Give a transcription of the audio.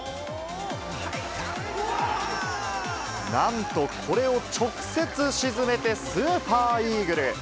なんと、これを直接沈めて、スーパーイーグル。